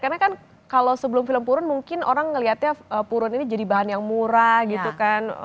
karena kan kalau sebelum film purun mungkin orang ngelihatnya purun ini jadi bahan yang murah gitu kan